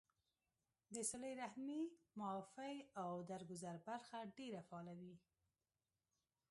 د صله رحمۍ ، معافۍ او درګذر برخه ډېره فعاله وي